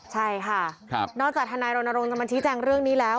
ใช่ค่ะนอกจากทนายรณรงค์จะมาชี้แจงเรื่องนี้แล้ว